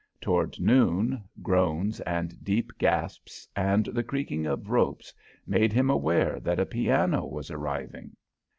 Toward noon, groans and deep gasps and the creaking of ropes, made him aware that a piano was arriving.